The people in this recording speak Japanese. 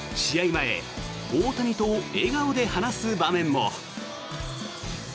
前大谷と笑顔で話す場面も。